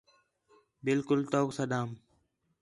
بالکل توک سݙام